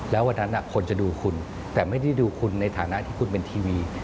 แล้ววันนั้นคนจะดูคุณแต่ไม่ได้ดูคุณในฐานะที่คุณเป็นทีวี